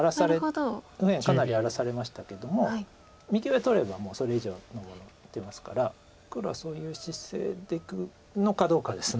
右辺かなり荒らされましたけども右上取ればもうそれ以上のもの打てますから黒はそういう姿勢でいくのかどうかです。